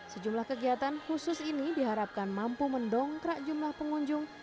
sejumlah kegiatan khusus ini diharapkan mampu mendongkrak jumlah pengunjung